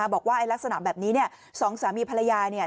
บอกว่าลักษณะแบบนี้สองสามีภรรยาย